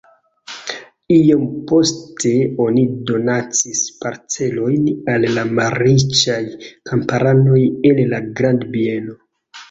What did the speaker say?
Iom poste oni donacis parcelojn al la malriĉaj kamparanoj el la grandbieno.